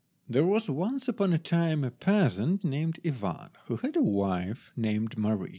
THERE was once upon a time a peasant named Ivan, who had a wife named Mary.